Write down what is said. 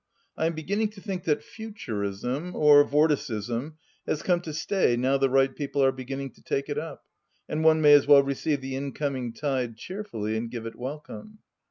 I am beginning to think that Futurism— or Vortieism — has come to stay now the right people are beginning to take it up, and one may as well receive the incoming tide cheerfully, and give it welcome.